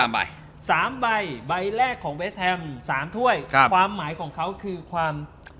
สามใบใบแรกของเวสแฮมสามถ้วยครับความหมายของเขาคือความ